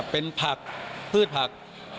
เป็นผักพืชผัก